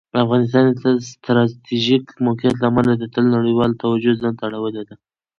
افغانستان د ستراتیژیک موقعیت له امله تل د نړیوالو توجه ځان ته اړولي ده.